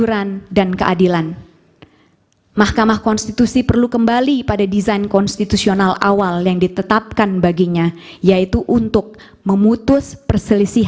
pertanyaan kedua yang pemohon akan jawab sehubungan dengan pelanggaran trsm adalah